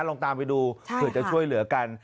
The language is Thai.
ลองตามไปดูเผื่อจะช่วยเหลือกัน